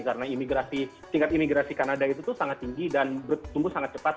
karena imigrasi tingkat imigrasi kanada itu tuh sangat tinggi dan bertumbuh sangat cepat